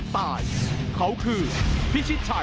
วันนี้